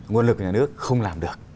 nguồn lực của nhà nước không làm được